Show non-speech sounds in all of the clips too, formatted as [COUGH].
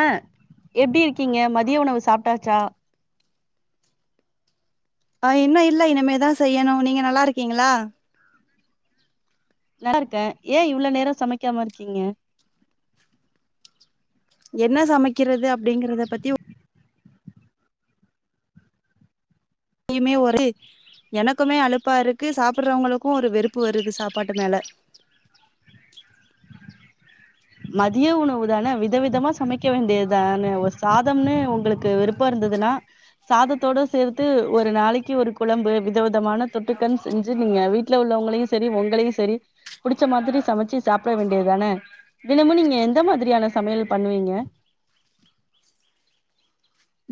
ஆ எப்டி இருக்கீங்க மதியோ உணவு சாப்பிட்டாச்சா ஆ இன்னு இல்ல இனிமேதா செய்யணு நீங்க நல்லா இருக்கீங்களா நல்லா இருக்கே ஏ இவ்ளோ நேரோ சமைக்காம இருக்கீங்க என்ன சமைக்கிறது அப்டிங்கிறத பத்தி மே ஒரு எனக்குமே அழுப்பா இருக்கு சாப்பிடுறவங்களுக்கு ஒரு வெறுப்பு வருது சாப்பாட்டு மேல மதிய உணவு தானே விதவிதமா சமைக்க வேண்டியதுதான ஒரு சாதம்னு உங்களுக்கு விருப் விருப்போ இருந்ததுனா சாதத்தோடு சேர்த்து ஒரு நாளைக்கு ஒரு குழம்பு வித விதமான தொட்டுக்க செஞ்சு நீங்க வீட்டல உள்ளவங்களையு செரி உங்களையு செரி புடிச்ச மாதிரி சமைச்சு சாப்பிட வேண்டியதுதானே தினமு நீங்க எந்த மாதிரியான சமையல் பண்ணுவீங்க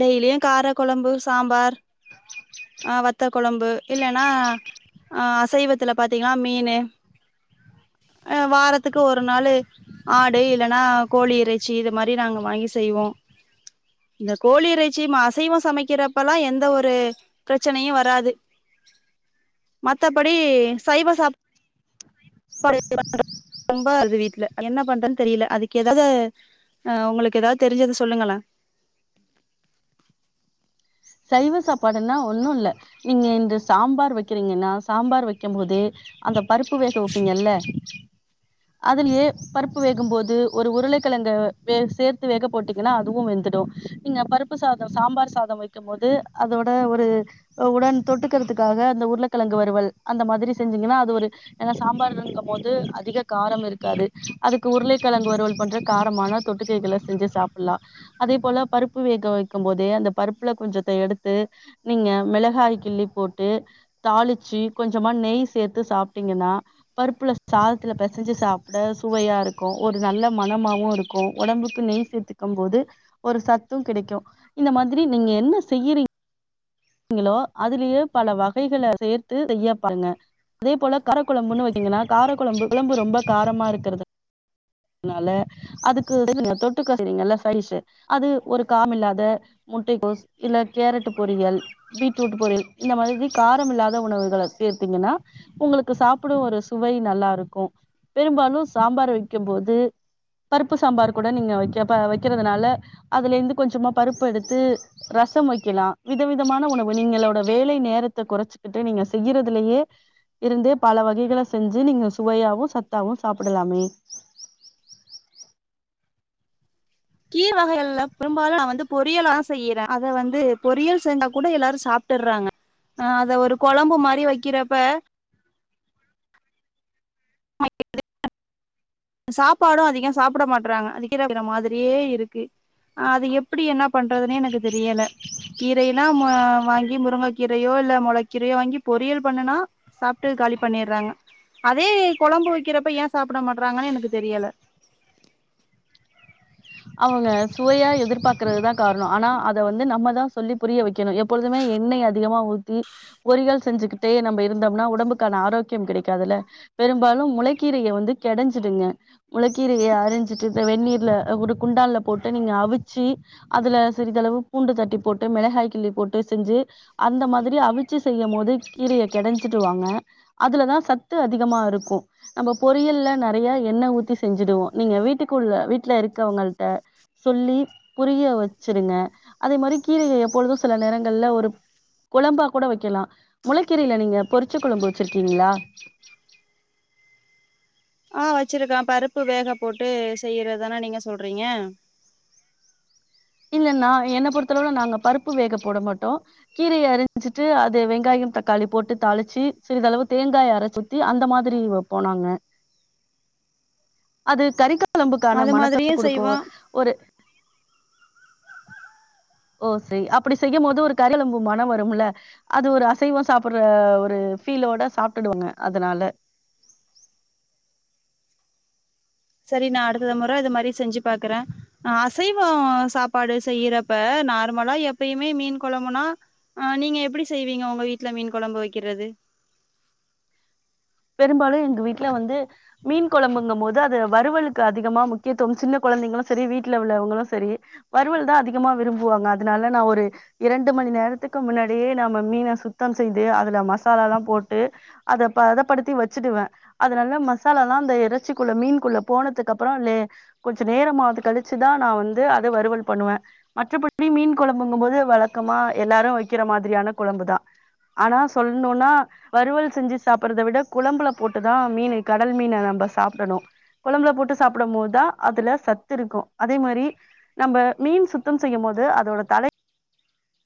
டெய்லியு கார கொழம்பு சாம்பார் ஆ வத்த கொழம்பு இல்லன்னா ஆ அசைவத்துல பாத்தீங்கன்னா மீன் ஆ வாரத்துக்கு ஒரு நாளு ஆடு இல்லன்னா கோழி இறைச்சி இது மாதிரி நாங்க வாங்கி செய்வோ இந்த கோழி இறைச்சி அசைவோ சமைக்கிறப்பல்லா எந்த ஒரு ப்ரச்சனயு வராது மத்தபடி சைவ சாப்ப ரொம்ப வருது வீட்ல என்ன பண்றதுன்னு தெரியல அதுக்கு ஏதாவது ஆ உங்களுக்கு ஏதாவது தெரிஞ்சது சொல்லுங்களே சைவ சாப்பாடுன்னா ஒன்னு இல்ல நீங்க இந்த சாம்பார் வைக்கிறீங்கன்னா சாம்பார் வைக்கு போது அந்த பருப்பு வேக வைப்பீங்கல்ல அதுலயே பருப்பு வேகு போது ஒரு உருளைக்கிழங்க வே சேர்த்து வேக போட்டீங்கன்னா அதுவு வெந்திடு நீங்க பருப்பு சாதோ சாம்பார் சாதோ வைக்கு போது அதோட ஒரு உடன் தொட்டுக்கிறதுக்காக அந்த உருளக்கெழங்கு வருவல் அந்த மாதிரி செஞ்சீங்கன்னா அது ஒரு ஏன்னா சாம்பார் இருங்கு போது அதிக காரம் இருக்காது அதுக்கு உருளைக்கெழங்கு வருவல் பன்ற காரமான தொட்டுக்கைகளை செஞ்சு சாப்பிடலா அதே போல பருப்பு வேக வைக்கு போதே அந்த பருப் பருப்புல கொஞ்சத்த எடுத்து நீங்க மெளகாய் கிள்ளி போட்டு தாளிச்சு கொஞ்சமா நெய் சேர்த்து சாப்பிட்டீங்கன்னா பருப்புல சாதத்துல பெசஞ்சு சாப்பிட சுவையா இருக்கு ஒரு நல்ல மனமாவு இருக்கு ஒடம்புக்கு நெய் சேத் க்கும்போது ஒரு சத்து கிடைக்கு இந்த மாதிரி நீங்க என்ன செய்யிறீங் ங்களோ அதுலயே பல வகைகள சேர்த்து செய்ய வப்பாங்க அதே போல காரக்கொழம்புன்னு வத்தீங்கன்னா காரக்கொழம்பு கொழம்பு ரொம்ப காரமா இருக்குறது அதனால அதிக்கு தொட்டுக்க வப்பீங்கல சைட் டிஷ் அது ஒரு காம் இல்லாத முட்டை கோஸ் இல்ல கேரட் பொரியல் பீட்ரூட் பொரிள் இந்த மாரி காரம் இல்லாத உணவுகள சேத்தீங்கன்னா உங்களுக்கு சாப்பிடு ஒரு சுவை நல்லா இருக்கு பெரும்பாலு சாம்பார் வைக்கும்போது பருப்பு சாம்பார் கூட நீங்க வைக்கப்ப வைக்கிறதுனால அதுல இருந்து கொஞ்சமா பருப்பு எடுத்து ரசம் வைக்கலா விதவிதமான உணவு நீங்களோட வேலை நேரத்த கொறைச்சுக்கிட்டு நீங்க செய்யறதுலயே இருந்தே பல வகைகள செஞ்சு நீங்க சுவையாவு சத்தாவு சாப்பிடலாமே கீர் வகைகள் எல்லா பெரும்பாலு நா வந்து பொரியல தா செய்யற அத வந்து பொரியல் செஞ்சா கூட எல்லாரு சாப்பட்றாங்க ஆ அத ஒரு கொழம்பு மாரி வக்கிறப்ப [INAUDIBLE] சாப்பாடு அதிகம் சாப்ட மாட்றாங்க அது [INAUDIBLE] மாதிரியே இருக்கு அது எப் அப்டி என்ன பண்றதுன்னே எனக்கு தெரியல கீரைனா வ முருங்கை கீரையோ இல்ல மொளக்கீரையோ வாங்கி பொரியல் பண்ணுனா சாப்ட்டு காலி பண்ணிட்றாங்க அதே கொழம்பு வைக்கிறப்ப ஏ சாப்ட மாட்றாங்கன்னு எனக்கு தெரியல அவுங்க சுவையா எதிர்பாக்கறதுதா காரணோ ஆனா அத வந்து நம்மதா சொல்லி புரிய வைக்கணு எப்பொழுதுமே எண்ணெய் அதிகமா ஊத்தி பொரிகள் செஞ்சுக்கிட்டே நம்ம இருந்தோம்னா உடம்புக்கான ஆரோக்கியம் கிடைக்காதுல பெரும்பாலு முளைக்கீரைய வந்து கெடஞ்சிடுங்க முளக்கீரைய அறிஞ்சிட்டு வெந்நீர்ல குடுக் குண்டான்ல போட்டு நீங்க அவிச்சு அதுல சிறிதளவு பூண்டு தட்டி போட்டு மிளகாய் கிள்ளி போட்டு செஞ்சு அந்த மாதிரி அவிச்சு செய்யும் போது கீரைய கெடைஞ்சிடுவாங்க அதுலதா சத்து அதிகமா இருக்கு நம்ம பொரியல்ல நெறைய எண்ண ஊத்தி செஞ்சுடுவோ நீங்க வீட்டுக்குள்ள வீட்ல இருக்கறவங்க சொல்லி புரிய வச்சிருங்க அதே மாரி கீரைய எப்பொழுது சில நேரங்கள்ல ஒரு குழம்பா கூட வைக்கலா முளைக்கீரைல நீங்க பொறிச்ச குழம்பு வச்சிருக்கீங்களா ஆ வச்சிருக்கே பருப்பு வேக போட்டு செய்யறதானா நீங்க சொல்றீங்க இல்ல நா என்ன பொறுத்தளவுல நாங்க பருப்பு வேக போட மாட்டோ கீரைய அரிஞ்சிட்டு அது வெங்காயம் தக்காளி போட்டு தாளிச்சி சிரிதளவு தேங்காய் அர ச்சு த்தி அந்த மாரி வப்போ நாங்க அது கறிக்க குழம்புக்கான அது மணத்த மாதிரியு குடுக்கு செய்வோ ஒரு ஓ சரி அப்டி செய்யும் போது ஒரு கரெளம்பு மணம் வரும்ல அது ஒரு அசைவம் சாப்பட்ற ஒரு ஃபீலோட சாப்ட்டுடுவாங்க அதனால சரி நா அடுத்த முற இத மாரி செஞ்சு பாக்குற அசைவம் சாப்பாடு செய்யறப்ப நார்மலா எப்யுமே மீன் குழம்புனா ஆ நீங்க எப்டி செய்வீங்க உங்க வீட்ல மீன் குழம்பு வைக்கிறது பெரும்பாலு எங்க வீட்ல வந்து மீன் கொழம்புங்க போது அது வறுவலுக்கு அதிகமா முக்கியத்துவம் சின்ன குழந்தைங்களு சரி வீட்ல உள்ளவங்களு சரி வறுவல் தா அதிகமா விரும்புவாங்க அதனால நா ஒரு இரண்டு மணி நேரத்துக்கு முன்னாடியே நம்ம மீன சுத்தம் செய்து அதுல மசாலா எல்லா போட்டு அத பத படுத்தி வச்சுடுவ அதுநல்ல மசாலால்லா அந்த இறச்சிக்குள்ள மீன் குள்ள போனதுக்கு அப்றோ லே கொஞ்ச நேரமாவது கழிச்சுதா நா வந்து அத வறுவல் பண்ணுவ மற்ற படி மீன் கொழம்புங்கும்போது வழக்கமா எல்லாரு வைக்கிற மாதிரியான குழம்பு தா ஆனா சொல்ணுனா வறுவல் செஞ்சு சாப்பிட்றத விட குழம்புல போட்டுதா மீன கடல் மீன நம்ம சாப்படணு கொழம்புல போட்டு சாப்டும் போதா அதுல சத்து இருக்கும் அதே மாரி நம்ப மீன் சுத்தம் செய்யும் போது அதோட தலை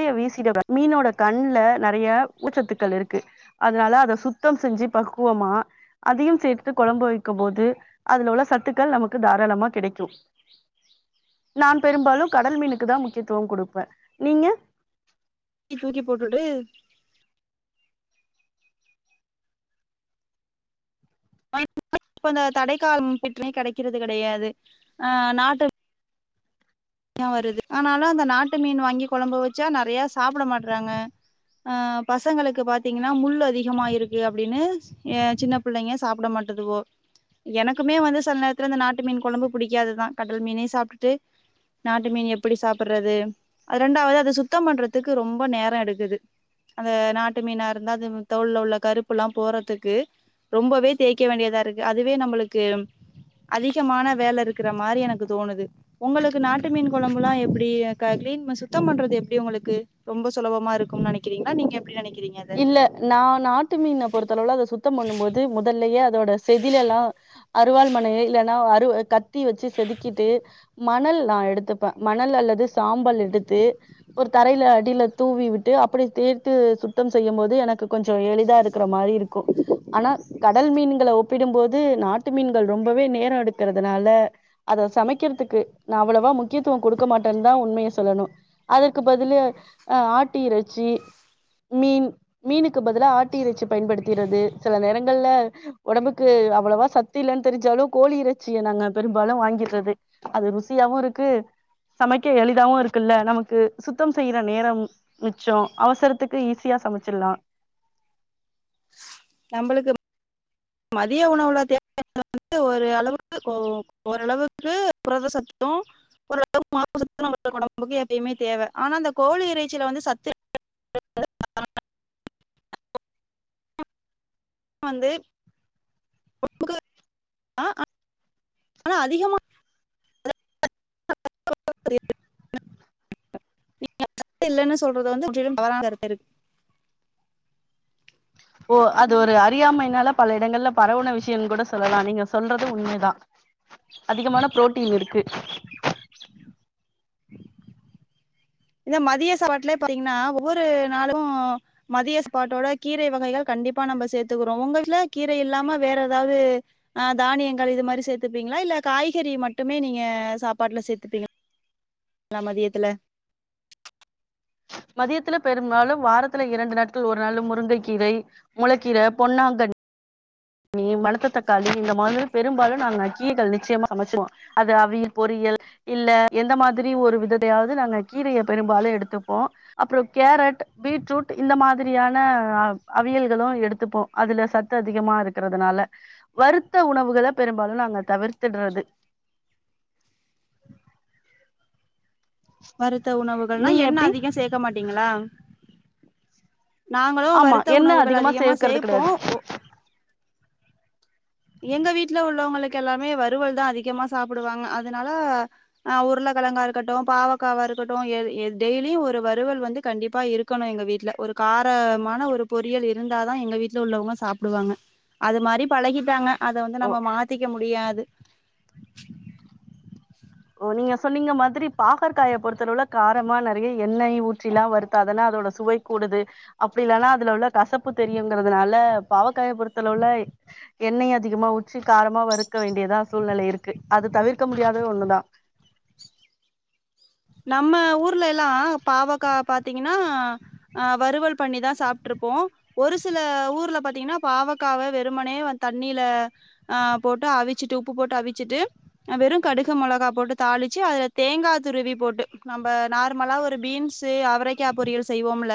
ய வீசிட [INAUDIBLE] மீனோட கண்ல நெறய ஊச்சத்துக்கள் இருக்கு அதுனால அத சுத்தம் செஞ்சி பக்குவமா அதயும் சேத்து கொழம்பு வைக்கும் போது அதுல உள்ள சத்துக்கள் நமக்கு தாராளமா கிடைக்கும் நான் பெரும்பாலும் கடல் மீனுக்கு தா முக்கியத்துவம் கொடுப்பேன் நீங்க தூக்கி தூக்கி போட்டுட்டு அ [INAUDIBLE] இப்ப இந்த தடைக்காலம் பெற்றனே கிடைக்கிறது கிடையாது ஆ நாட்டு [INAUDIBLE] வருது ஆனாலும் அந்த நாட்டு மீன் வாங்கி கொழம்பு வச்சா நெறய சாப்ட மாட்றாங்க அ பசங்களுக்கு பாத்தீங்கன்னா முள் அதிகமா இருக்கு அப்டின்னு ஏ சின்ன பிள்ளைங்க சாப்ட மாட்டதுவோ எனக்குமே வந்து சில நேரத்துல இந்த நாட்டு மீன் கொழம்பு பிடிக்காது தா கடல் மீனே சாப்ட்டுட்டு நாட்டு மீன் எப்டி சாப்புட்றது அது ரெண்டாவ்து அது சுத்தம் பண்றதுக்கு ரொம்ப நேரொ எடுக்குது அந்த நாட்டு மீனா இருந்தா அது தோல்ல உள்ள கருப்பு எல்லா போறதுக்கு ரொம்பவே தேய்க்க வேண்டியதா இருக்கு அதுவே நம்ளுக்கு அதிகாமான வேல இருக்கிற மாரி தோணுது ஒங்களுக்கு நாட் ட்டு மீன் கொழம்புல்லாம் எப்டி அ க கிளீன் சுத்தம் பண்றது எப்டி ஒங்களுக்கு ரொம்ப சுலபமா இருக்கும்னு நெனைக்கிறீங்கன்னா நீங்க எப்டி நெனைக்கிறீங்க அத நா நாட்டு மீன் பொறுத்தளவுல அத சுத்தம் பண்ணும் போது முதல்லயே அதோட செதில எல்லா அறுவாள் மனைய இல்லன்னா அரு கத்தி வச்சு செதுக்கிட்டு மணல் நா எடுத்துப்பேன் மணல் அல்லது சாம்பல் எடுத்து ஒரு தரையில அடியில தூவி விட்டு அப்டியே தேத்து சுத் சுத்தம் செய்யும் போது எனக்கு கொஞ்சம் எளிதா இருக்ற மாரி இருக்கு ஆனா கடல் மீன்கள ஒப்பிடும் போது நாட்டு மீன்கள் ரொம்பவே நேரொ எடுக்கறதுனால அத சமைக்கறதுக்கு நா அவ்ளோவா முக்கியத்துவம் கொடுக்க மாட்டேன்னு தா உண்மைய சொல்லணு அதுக்கு பதில் அ ஆட்டு இறைச்சி மீன் மீனுக்கு பதிலாக ஆட்டு இறச்சி பயன்படுத்திரது சில நேரங்கள்ல ஒடம்புக்கு அவ்ளோவா சத்தி இல்லன்னு தெரிஞ்சாலு கோழி இறைச்சிய நாங்க பெரும்பாலு வாங்கிர்றது அது ருசியாவு இருக்கு சமைக்க எளிதாவு இருக்குல்ல நமக்கு சுத்தம் செய்ற நேரம் மிச்சம் அவசரத்துக் கு ஈஸியா சமச்சிர்லாம் நம்ளுக்கு மதிய உணவுல தேவை [INAUDIBLE] வந்து ஒரு அளவுக்கு ஓ ஓரளவு க்கு புரத சத்தும் ஓரளவு மாச [INAUDIBLE] உடம்புக்கு எப்பயுமே தேவை ஆனா அந்த கோழி இறைச்சியில வந்து சத்து வந்து ஒடம்புக்கு [INAUDIBLE] ஆ ஆனா அதிகமா [INAUDIBLE] [INAUDIBLE] நீங்க சத்து இல்லைன்னு சொல்றது வந்து முற்றிலும் தவறான கருத்து இருக்கு ஓ அது ஒரு அறியாமைையினால பல இடங்கள்ல பரவுன விஷயம்னு கூட சொல்லலாம் நீங்க சொல்றது உண்மைதான் அதிகமான புரோட்டின் இருக்கு இந்த மதிய சாப்பாட்லயே பாத்தீங்கன்னா ஒவ்வொரு நாளும் மதிய சாப்பாட்டோடக் கீரை வகைகள் கண்டிப்பா நம்ம சேத்துக்கிறோம் உங்க வீட்ல கீரை இல்லாம வேற எதாவ்து ஆ தானியங்கள் இது மாரி சேர்த்துப்பீங்ளா இல்ல காய்கறி மட்டுமே நீங்க சாப்பாட்டுல சேத்துப்பீங்க ளா மதியத்துல மதியத்துல பெரும் நாளும் வாரத்துல இரண்டு நாட்கள் ஒரு நாள் முருங்கை கீரை முளக்கீர பொன்னாங்கன் நீ மனத்த தக்காளி இந்த மாதிரி பெரும்பாலு நா கீகள் நிச்சயமா சமச்சிருவோ அது அவிய பொறியல் இல்ல எந்த மாதிரி ஒரு விதத்தையாவது நாங்க கீரைய பெரும்பாலு எடுத்துப்போ அப்புறோ கேரட் பீட்ரூட் இந்த மாதிரியான அ அவியல்களு எடுத்துப்போ அதுல சத்து அதிகமா இருக்கிறதுனால வருத்த உணவுகள பெரும்பாலு நாங்க தவிர்த்துடறது வருத்த உணவுகள்னா நீங்க என்ன எப்டி அதிகோ சேக்கமாட்டீங்களா நாங்களு ஆமா வருத்த எண்ண உணவுகள் அதிகமா சேர்க்கறது சேப்போ கெடையாது எங்க வீட்ல உள்ளவங்களுக்கு எல்லாமே வருறுவல்தா அதிகமா சாப்பிடுவாங்க அதனால ஆ உருளக்கெழங்க இருக்கட்டு பாவக்காவா இருக்கட்டு ஏ டெய்லியு ஒரு வருறுவல் வந்து கண்டிப்பா இருக் க்கணு எங்க வீட்ல ஒரு காரமான ஒரு பொறியல் இருந்தாதா எங்க வீட்ல உள்ளவங்க சாப்புடுவாங்க அது மாரி பழகிட்டாங்க அத வந்து ஓ நம்ம மாத்திக்க முடியாது ஓ நீங்க சொன்னீங்க மாதிரி பாகற்கய பொறுத்தளவு காரமா நெறைய எண்ணெய் ஊற்றில்லா வருத்தாதான்னா அதோட சுவை கூடுது அப்பிடி இல்லனா அதுல உள்ள கசப்பு தெரியுங்கிறதுனால பாவக்காய பொருத்தலவுல எண்ணெய் அதிகமா உற்றி காரமா வறுக்க வேண்டியதா சூழ்நிலை இருக்கு அது தவிர்க்க முடியாத ஒன்னுதா நம்ம ஊர்ல எல்லா பாவக்கா பாத்தீங்கன்னா ஆ வருறுவல் பண்ணிதா சாப்பிட்டுருப்போ ஒரு சில ஊர்ல பாத்தீங்கன்னா பாவக்காவ வெறுமனே தண்ணீல ஆ போட்டு அவிச்சிட்டு உப்பு போட்டு அவிச்சிட்டு அ வெறு கடுக மொளகா போட்டு தாளிச்சி அதுல தேங்கா துருவி போட் ட் நம்ம நார்மலா ஒரு பீன்ஸ் அவரைக்கா பொரியல் செய்வோம்ல்ல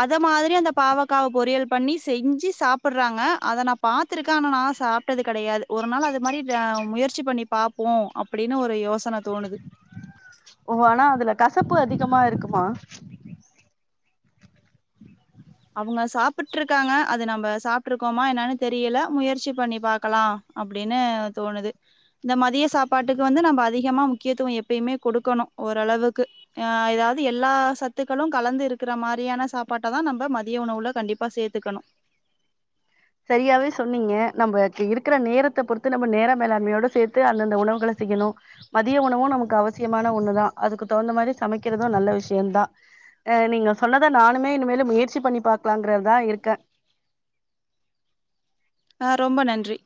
அத மாதிரி அந்த பாவக்காவ பொரியல் பண்ணி செஞ்சி சாப்பிறாங்க அத நா பாத் த்துருக்கே ஆனா நா சாப்பிட்டது கெடையாது ஒரு நாள் அது மாதிரி ர முயற்சி பண்ணி பாப்போ ப்பிடின் ஒரு யோசன தோணுது ஓ ஆனா அதுல கசப்பு அதிகமா இருக்குமா அவங்க சாப்பிட்டுருக்காங்க அது நம்ம சாப்பிட்டுருக்கோமா என்னான்னு தெரியல முயற்சி பண்ணிபாக்கலா அப்பிடின்னு தோணுது இந்த மதிய சாப்பாட்டுக்கு வந்து நம்ம அதிகமா முக்கியத்துவோ எப்பியுமே குடுக்கணு ஓரளவுக்கு ஆ எதாது எல்லா சத்துக்களு கலந்து இருக்கிற மாரியான சாப்பாட்ட தா நம்ம ம மதிய உணவுல கண்டிப்ப சேத்துக்கணு சரியாவே சொன்னீங்க நம்ம இருக்கிற நேரத்த பொறுத்து நம்ம நேர மேலாண்மையோட சேத்து அந்தந்த உணவுகள செய்யணு மதிய உணவு நமக்கு அவசியமான ஒன்னுதா அதுக்கு தகுந்த மாரி சமைக்கிறது நல்ல விஷ்யந்தா அ நீங்க சொன்னத நானுமே இனிமேலு முயற்சி பண்ணி பாக்கலாங்கறதா இருக்கே ஆ ரொம்ப நன்றி